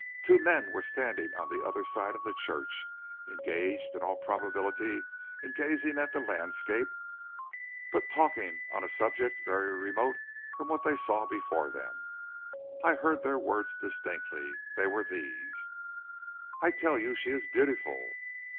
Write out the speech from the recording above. Two men were standing on the other side of the church, engaged, in all probability, in gazing at the landscape, but talking on a subject very remote from what they saw before them. I heard their words distinctly. They were these: "'I tell you she is beautiful.'